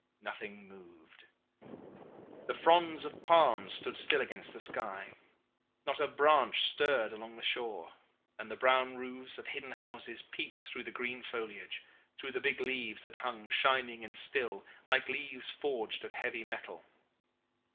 Nothing moved. The fronds of palms stood still against the sky. Not a branch stirred along the shore, and the brown roofs of hidden houses peeped through the green foliage, through the big leaves that hung shining and still like leaves forged of heavy metal.